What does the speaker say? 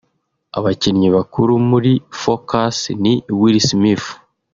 Abakinnyi bakuru muri “Focus” ni Will Smith